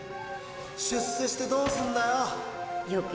出世してどうすんだよ。